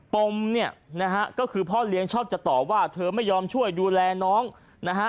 ปมเนี่ยนะฮะก็คือพ่อเลี้ยงชอบจะตอบว่าเธอไม่ยอมช่วยดูแลน้องนะฮะ